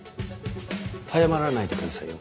早まらないでくださいよ。